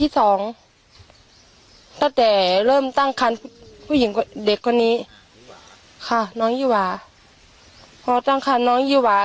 สองตั้งคันผู้หญิงเด็กคนนี้ค่ะน้องยี่หว่าพอตั้งคันน้องยี่หว่า